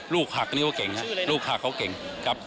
ลูกหักเค้าก็เก่งครับครับ